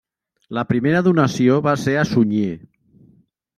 La primera donació va ser a Sunyer.